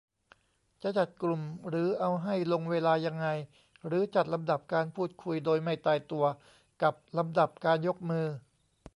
จะจัดกลุ่ม หรือเอาให้ลงเวลายังไง หรือจัดลำดับการพูดคุยโดยไม่ตายตัวกับลำดับการยกมือ